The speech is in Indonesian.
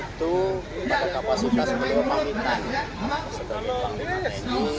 itu kapasitas beliau panggilan sebagai panglima tni